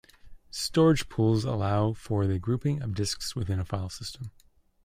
Storage pools allow for the grouping of disks within a file system.